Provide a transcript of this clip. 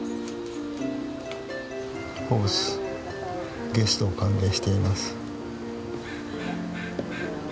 ホブスゲストを歓迎しています。